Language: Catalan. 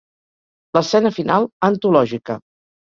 L'escena final, antològica.